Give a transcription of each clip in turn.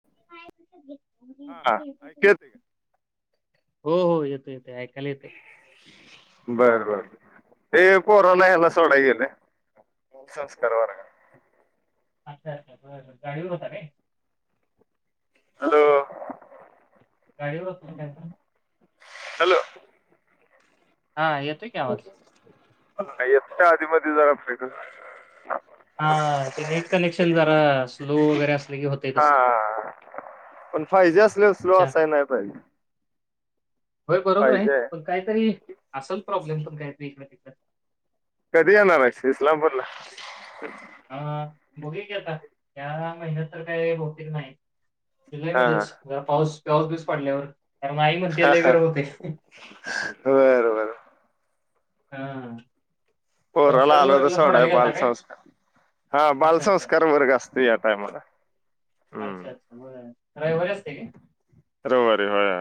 य [unintelligible] [unintelligible] हो हो येते येते अं बर बर ते पोरोला याला सोडाय गेले संस्कार व [unintelligible] अच्छा अच्छा ब गाडीवर होत रे [unintelligible] हॅलो गाडीवरय का [unintelligible] हॅलो हा येतोय की आवाज का या आधी मधी झाला फ [unintelligible] हा.. ते नेट कनेक्शन जरा स्लो वगैरे असले की होते तस. हा पण पाहिजे असल्यावर स्लो अच्छा असाय नाही पाहिजे होय बरोबर आहे. पण काहीतरी आसल प्रॉब्लेम पण काय तर इकड तिकड. कधी येणार हायस इस्लामपूर ला. हा. बगुयां की आता या महिन्यात तर काय भौतेक क नाही. हा जुलैमध्येच जरा पाऊस, पाऊस बिऊस पडल्यावर. कारण आई म्हणते लय हाहा गरम होतंय. बर बर. हा. पोराला आलो होतो सोडायं, बालसंस्कार हा अच्छा, अच्छा. बालसंस्कार वर्ग असतयं या टायमाला हम्म अच्छा, अच्छा. बरं. रविवारी असते काय? रविवारी होय.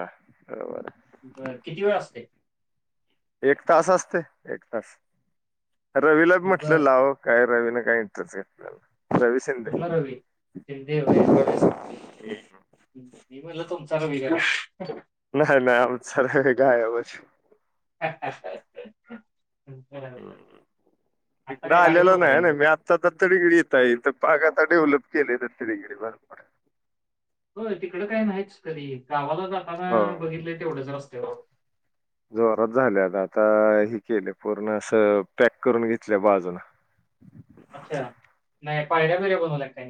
रविवारी बरं. किती वेळ असते? एक तास असते. एक तास रवीला बी म्हटलं बरं. लाव काय रवीन काही इंटरेस्ट घेतलेल नाही. कुठला रवी, शिंदे व्हय बर बर, मी म्हटलं तुमचा रवी [unintelligible] [inaudible] नाय नाय आमचा रवी गायबच. [unintelligible] ह आता तिकडं काय गाडीवर आलेला होता काय नाही ना मग? मी आत्ता तर तिकडे येत आहे पाग आता डेवलप. केले दत्त [unintelligible] बरोबर. होय, तिकडं काय नाहीचं कधी. गावा ला हो जातांना बघितले तेवढचं रस्ता [unintelligible] जोरात झाले आता, हे केले पूर्ण असं पॅक करून घेतलय बाजूला. अच्छा नाही. पायऱ्या बियऱ्या बनवला काय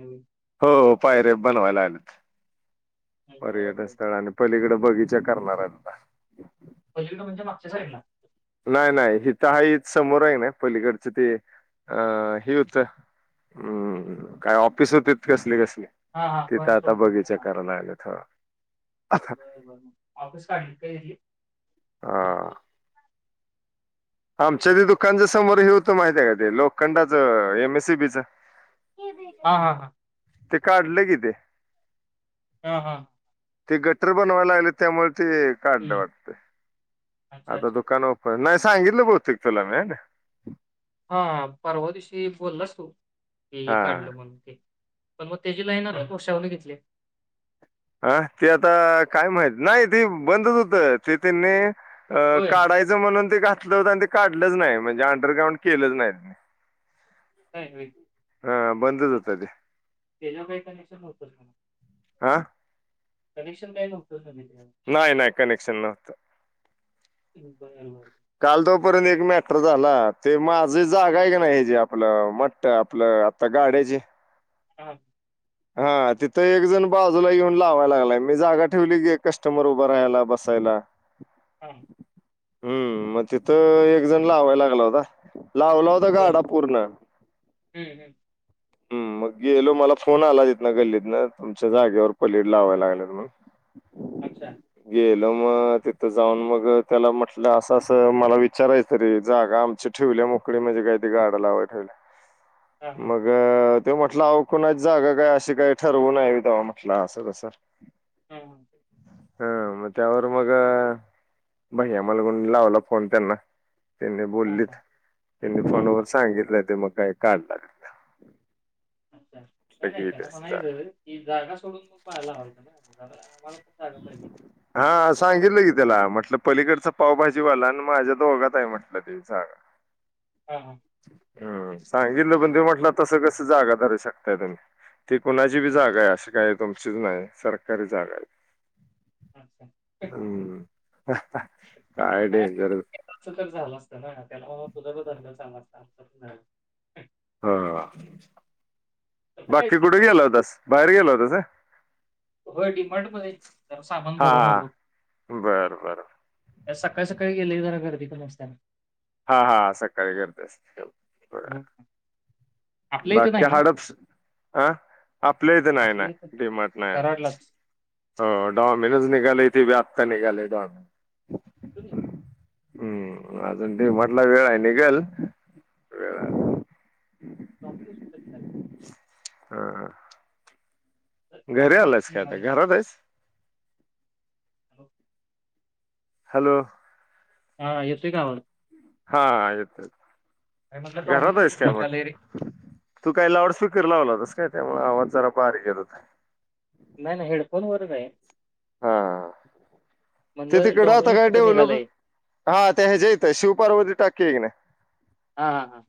हो.. पायऱ्या बनवायला लागवलेत. बरं पर्यटन बरं. स्थळ आणि पलीकड बगीचा. करनार हायत आता. पलीकडं, म्हणजे मागच्या साईडला. नाही नाही हित हाय हे समोर आहे ना, पहिलीकडच ते अ हे होत काय ऑफिस होती कसली कसली. हां हां तित, आता बगीचा करायला लागलेत हो. बर बर मग ऑफिस काढलं काय इथली. हा आमच्या इथं दुकानचा समो समोर हे होत माहित होत काय, ते लोखंडांच एम एस सी बी च. हा हा हा. ते काढले कि ते, हा. हा. ते गटर बनवायला लागले त्यामुळे, ते काढलं हं. वाटते अच्छा, आता अच्छा, अच्छा. दुकानावर पण सांगितलं बहुतेक तुला मी ना हा परवा दिवशी बोललास तू तेही हा काढलं म्हणून ते पण मग तेची लाईन आता पशावने घेतली हा ते आता काय माहित नाही ती बंदच होत ते तिने अ होय. काढायचं म्हणून ते खात लं होत आणि ते काढलंच नाही म्हणजे अंडरग्राउंड केलंच नाही का ह बंदच म्हणजे होतं ते त्याच्यावर काय कनेक्शन होत काय ह कनेक्शन काय न्हवत ते नाही नाही कनेक्शन नव्हतं ह बाय काल तोपर्यंत एक मॅटर झाला ते माझ जागा आहे का नाही हचीे आपलं म्हटत आपलं आता गाड्याची हम हा तिथं एकजण बाजूला येऊन लावाय लागलाय मी जागा ठेवली गे कस्टमर उभं राहायला बसायला हां. हम्म मग तिथं एक जण लावायला लागला होता लावला होता बरं. गाडा पूर्ण हं, हं. हम् मग गेलो मला फोन आला तेत ना गल्लीत ना तुमच्या जागेवर गाडा लावायला लागलेत मग अच्छा गेलं मग तिथं जाऊन मग त्याला म्हटलं असं असं मला विचारायचं तरी जागा आमची ठेवल्या मोकळी म्हणजे काय ते गाड्या लावायला ठेवल्या हा हा अ ते म्हटलं अव कुणाच जगा काय अशी काही ठरवू न तेव्हा म्हटलं असं तसं हां, हां. हा मग त्यावर मग भैया मला म्हणला म्हणून लावला फोन त्यांना. त्यांनी हां, बोललीत हां. त्यांनी हां, फोनवर हां. सांगितलं ते मग काय काढला? [unintelligible] अच्छा! नाही, नाही गेली त्याला असं म्हणा पण जागा. इथं की जागा सोडून [unintelligible] हा सांगितलं की तेला म्हटलं लं पलीकडचा पावभाजीवाला आणि माझ्या दोघात आहे म्हटलं ते जागा. ह. हा. हम, सांगितल पण ते म्हटलं तस कस जागा धरू शकताय तुम्ही? ते कुणाची बी अच्छा, जागा आहे असं काय तुमचीच नाही. सरकारी जागा आहे. अच्छा. हम्म. ह. ह. काय नाही डेंजर. असं [unintelligible] हा. तसं बाकी काही कुठे गेला होतास? बाहेर गेला होतास होय? होय डी मार्ट मध्ये जरा सामान हा भरून हा आणू. बरं बरं सकाळी सकाळी गेले जरा गर्दी कमी असत्या. हा हा सकाळी गर्दी असते. हो. हम. बाकी हडप अ आपल्या इथे नाही आपल्या इथं नाही डीमार्ट नाही. कराडलाच. हो डॉमिनोज निघालेय ते ते आता निघाले डॉमिनोस. [inaudible] हम्म, अजून डी मार्ट ला वेळ आहे निघल, वेळ आहे अजून. डॉमिनोस कुठेच नाही. ह. ह. घरी डॉमिनोज आलास कुठे का? आता निघाले? घरात आहेस? [inaudible] हॅलो! हा येतोय का आवाज? हा येतोय. अरे म्हटलं घरात डॉमिनोज आहेस कुठे काय निघालंय रे? मग? तू काय लाऊड स्पीकर लावला? कसं काय? त्यामुळ जरा आवाज बारीक येत होता. नाही ना, हेडफोन वरच आहे. हा ते म्हणलं तिकडं आता डॉमिनोज काय कुठे डेवलंप निघालंय? हा त्या ह्याच्यायेत आहे शिवपार्वती टाक कघ ना [unintelligible] हा हा हा.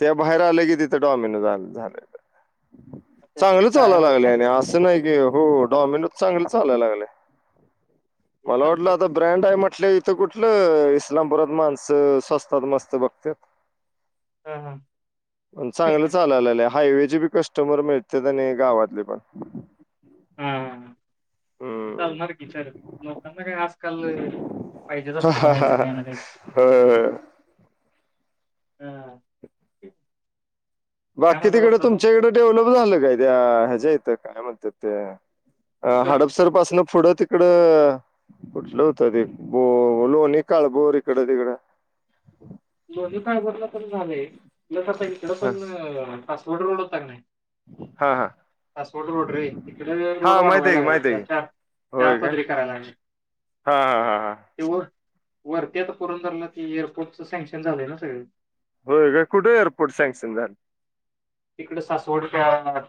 त्या बाहेर आले की तिथं डॉमिनोज झाल. अच्छा अच्छा ते चांगलं गाळ्यामध्ये काय? चालालागलय आणि असं नाही, कि हो डॉमिनो चांगले चालालागलय. ह [unintelligible] ते मला वाटलं चालतंय. आता ब्रँड आहे म्हटल. कुठलं इस्लामपुरात माणसं स्वस्तात मस्त बघत्यात. हां हां. पण चांगलं चालालय हायवे. कस्टमर मिळत्यात आणि गावातले पण हम् हम्म चालणार की तर लोकांना काय आजकाल पाहिजेच असते होय बाहेरच कायना काय होय तर, हम बाकी तिकडे तुमच्या इकडे डेव्हलोप झालं काय त्या् ह्याच्या् ईथ काय म्हणतातत त्या कुठं? हडपसर पासून पुढं तिकडं कुठलं होतं ते बो लोलेकालबोर इकड तिकड लोजी खा बत [unintelligible] पण झाले प्लस आता इकडं हा पण अस्वल रोड होता की नाही हा हा पासवड रोड रे ईकडे रोड हा माहित आहे वाढवायला की माहित आहे की लागल्यात चार चार होय काय पदरी करायला लागललेत हा हा हा हा त वर तेच पुरून धरल की एअरपोर्ट सक्शन झालंय ना सगळे होय का कुठे एअरपोर्ट सँक्शन झा तिकडे सासवड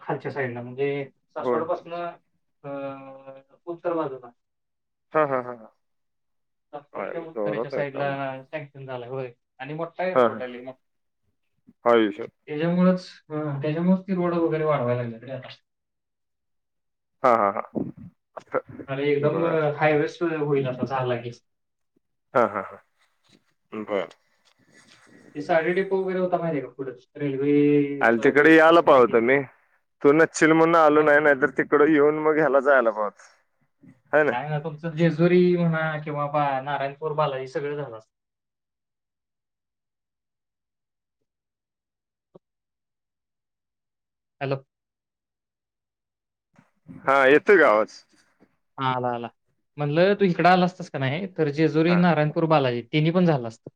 खालच्या साईडला म्हणजे होय सासवडपासन अ उत्तर वाजूला हा हा हा ह सासवड च्या उत्तरेच्या साईड ला झालंय होय आणि मोठा हा हा एअरपोर्ट आले मग आयुष्य त्याच्यामुच हा त्याच्यामुळेच ते रोड वगैर वाढवायला लागल [unintelligible] हा हा हा आणि एकदम बर हाय रस् होईल असता चहा लागेच हा हा हा बर क [inaudible] अल तिकडे यायला पाहत मी तू नचिल म्हणून आलो ना नाही नाहीतर तिकड येऊन मग ह्याला जायला पाहिजे काय नाय तुमचं जेजुरी किंवा नारायणपूर बालाजी ही सगळ झालं असत हॅलो हा येतोय का आवाज आला आला म्हणलं तू इकडं आला असतस का नाही तर जेजूरी हा नाराणपूर बालाजी तीनी पण झालं असतं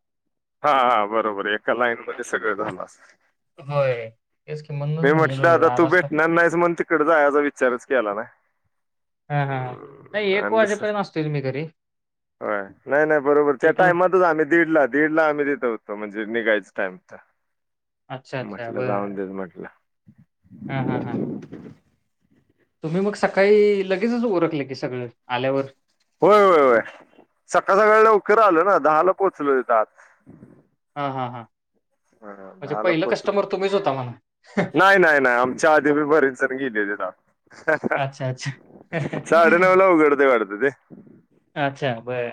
हा हा बरोबर एका लाईनमध्ये सगळं झालं असत होय तेच की म्हणूनच मी म्हटलं म्हणलेलं आता तू आला असता भेटणार नाहीस म्हण तिकड जायाचा विचारच केला नाय हा हा नाही हम् एक आणि दुसंय वाजेपर्यंत असतील मी घरी नाही नाही बरोबर त्या एकला टाइमातच आम्ही दीडला दीडला आम्ही तीट होतो निघायच टाईम अच्छा अच्छा म्हटलं बर राहू देत म्हटलं हा हा [inaudible] तुम्ही मग सकाळी लगेचच उरकल की सगळ होय होय होय सकाळ सकाळ लवकर लवकर आलं ना दहाला पोचलो हित आत ह हा हा हा म्हणजे दहा ला पहिलं पोचलो कस्टमर तुम्हीच होता म्हणा नाही नाही नाही आमच्या आधी मी बरच संगीलेला अच्छा, अच्छा. [inaudible] साडे नऊ ला उघडते वाटतं ते अच्छा बरं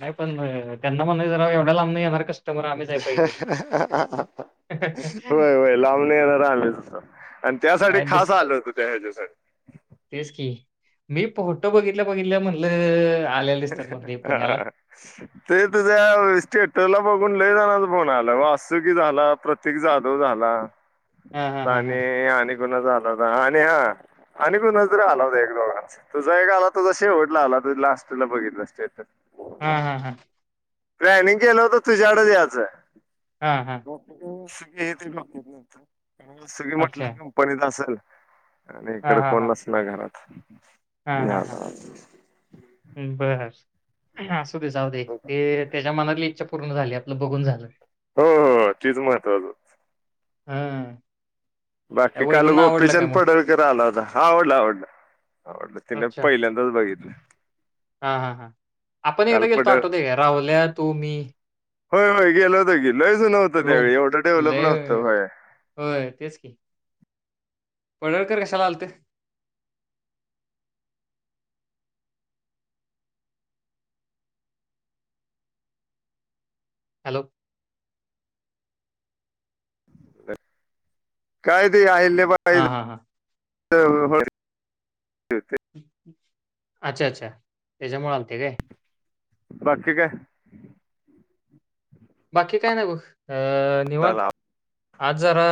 नाही पण त्यांना म्हणायचं राव एवढ्या लांबन येणार कस्टमर आम्हीच आहे पहिलं. होय होय लांबणी येणार आम्ही आणि त्यासाठी काय डिस खास आलो होतो त्या ह्याच्यासाठी तेच की मी फोटो बघितल्या बघितल्या म्हणलं आलेले दिसतात म्हणलं हे पुण्याला. हा ते तुझ्या स्टेटसला बघून लय जानाच फोन आला वासुकी झाला प्रतीक जाधव झाला हां, हां, हां, हां. आणि आणि आला होता आणि हा आणि कुणाचा आला होता एक दोघां तुझा एक आला तुझा शेवटला आला तुझ लाट चला बघितला स्टेटस हा हा हा प्लॅनिंग केलं होतं तुझ्याकड यायचं हां, हां. [inaudible] [unintelligible] सगळी म्हटलं अच्छा. कंपनीत असेल. आणि इकड कोणीच नाही घरात. ह. हा हा हा बरं. [unintelligible] जाऊदे ते त्याच्या मनातली इच्छा पूर्ण झाली आपलं बघून झालं. हो हो तीच महत्त्वाचं. हम्म. बाकी काल गोपीचंद पडळकर आला होता. आवडला आवडलं आवडलं तिने पहिल्यांदाच बघितलं. हा हा हा. आपण काल एकदा गेलतो पडळ आठवतं काय राहुल्या तू मी होय होय गेलो होतो की. लयच नव्हतं रूम त्यावेळी एवढं डेव्हलप लय नव्हतं व्हय. होय तेच की पडळकर कशाला आलत? हॅलो. काय ते आहे. हा हा हा. ह हो. हो ते. अच्छा अच्छा त्याच्यामुळे आलते काय. बाकी काय. बाकी काय नाही बघ. अ निवांत. झालं? आज जरा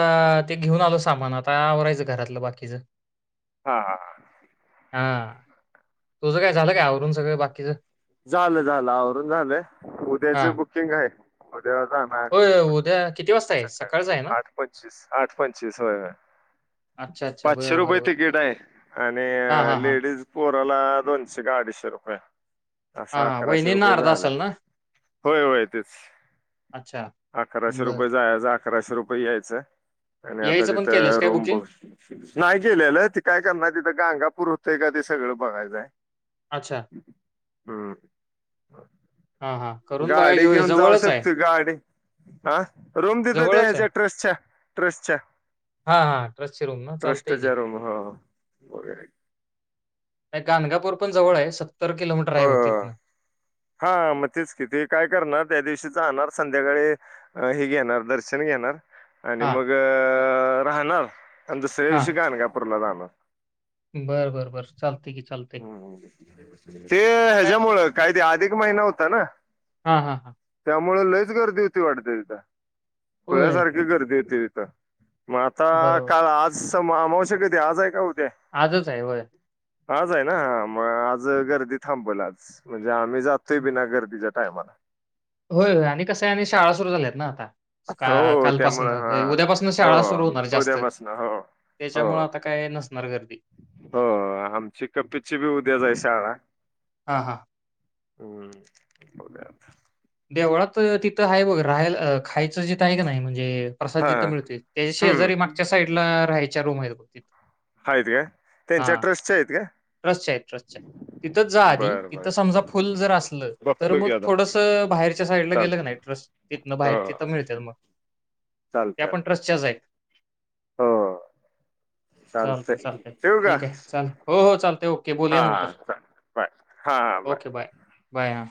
ते घेऊन आलो सामान आता आवरायचं घरातलं बाकीच. हा हा. हा तुझं काय झालं काय आवरून सगळं बाकीच. झालं झालं आवरून झालंय. उद्याच हां बुकिंग आहे. ठ होय उद्या किती वाजता आहे सकाळी सकाळचं आहे ना आठ पंचवीस आठ पंचवीस होय अच्छा अच्छा पाचशे बरं रुपये बरं बरं तिकीट आहे आणि हां हां हां लेडीज प ला दोनशे का अडीचशे रुपये. हां असा हां अकराशे वहिनींना रुपये अर्धा झाल. असेल ना होय होय तेच अच्छा अकराशे बरं रुपये जाय. अकराशे रुपये यायचं. आणि आता यायचं पण केलंस तिथं काय रूम बुकिंग बघ नाही गेलेलं त काय करणार तिथं गांगापूर एखादी सगळं बघायचंय. अच्छा हम्म हाहा गाडी घेऊन जाऊ शकतो, गाडी हा रूम देत ते ह्याच्या ट्रसच्या ट्रस्ट च हा- हा ट्रस्ट ची रूम ना, चालतय कीं बर आहे गणगापूर पण जवळ आहे सत्तर किलोमीटर आहे हो बघा तिथून हा मग तेच किती काय करणार त्या दिवशी जाणार संध्याकाळी हे घेणार दर्शन घेणार आणि हां, मग राहणार आणि दुसऱ्या दिवशी गाणगापूरला जाणार बर बर- बर- बरं चालते कि ते मग ह्याच्या मुळे काय अधिक महिना होता ना ह- ह- हा मुळे खुप गर्दी होती वाढते तिथे खुळ्या होय, सारखी गर्दी होेत का? मग आता बरोबर. काल आज अमावस्या कधी? आज आहे का? उद्या आजच आहे होय आज आहे ना मग आज गर्दी थांबल आज आम्ही हं, जातोय हं. गर्दी शिवाय वेळेला होय- होय आणि कसं आणि शाळा सुरू झाल्यात ना का हो कालपासुन त्यामुळं हा उद्यापसुन शाळा सुरू होणार हो जास्त उद्यापासन हो हो त्याच्यामुळे आता काय नसणार गर्दी हो आमच्या कपीची पण उद्या आहे शाळा हां, हां. हम्म ब ग [inaudible] देवळात तिथं आहे बघ, राहायला खायचं जिथे आहे का नाही म्हणजे प्रसाद हा जिथे मिळतो त्याच्या हम्म शेजारी मागच्या बाजूला राहाच्या खोल्या आहे होती आहेत काय हा त्यांच्या ट्रस्टच्या आहेत काय ट्रस्ट आहे ट्रस्ट तिथे जा आधी बरं तिथे बरं समजा फुल जर असेल तर बघतो मग की आता थोडस बाहेरच्या साईडला चालत हो गेलं नाही ट्रस्ट तिथनं बाहेर तिथं चालत मिळत मग त्या पण चालतंय ट्रस्टच्याच आहेत हो चालत चालतंय चालतय ठेवू का ठीक आहे चाल हो हो चालतय ओके बोलया हां नंतर हां बाय हां ओके बाय बाय हा